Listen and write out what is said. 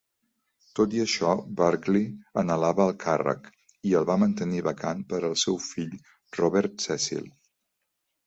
Tot i això, Burghley anhelava el càrrec, i el va mantenir vacant per al seu fill Robert Cecil.